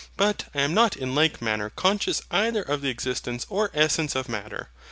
But, I am not in like manner conscious either of the existence or essence of Matter.